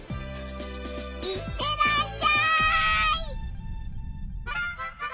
行ってらっしゃい！